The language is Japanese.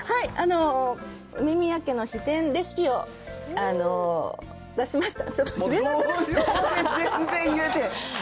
梅宮家の秘伝レシピを出しました。